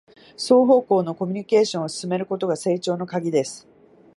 双方向のコミュニケーションを進めることが成長のカギです